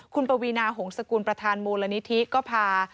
คุณปวีนาหงษกุลประธานมูลนิธิก็พา